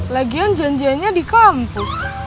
lagian janjiannya di kampus